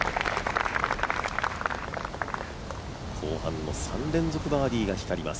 後半の３連続バーディーが光ります